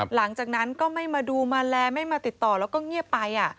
หลังจากนั้นก็ไม่มาดูมาแลไม่มาติดต่อแล้วก็เงียบไป